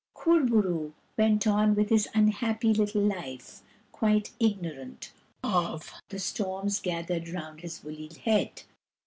Kur bo roo went on with his unhappy little life, quite ignorant of the storms gathering round his woolly head.